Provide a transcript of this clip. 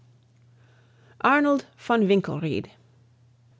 ARNOLD VON WINKLERIED.